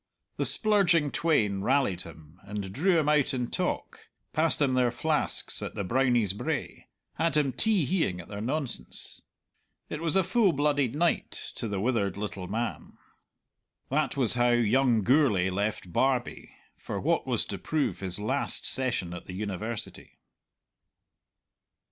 The splurging twain rallied him and drew him out in talk, passed him their flasks at the Brownie's Brae, had him tee heeing at their nonsense. It was a full blooded night to the withered little man. That was how young Gourlay left Barbie for what was to prove his last session at the University.